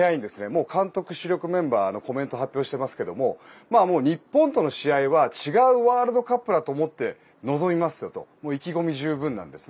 もう監督、主力メンバーのコメント発表していますが日本との試合は違うワールドカップだと思って臨みますと意気込み十分なんです。